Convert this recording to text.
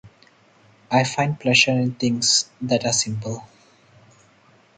I find pleasure in things that are simple.